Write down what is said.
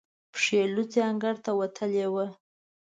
پښې لوڅې انګړ ته وتلې وه.